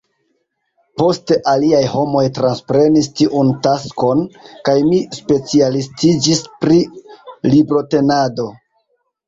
Poste aliaj homoj transprenis tiun taskon, kaj mi specialistiĝis pri librotenado.